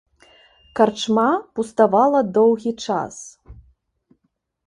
Карчма пуставала доўгі час.